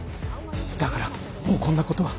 だからもうこんなことは。